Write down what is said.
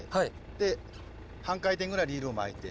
で半回転ぐらいリールを巻いて。